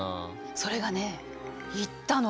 それがねいったのよ。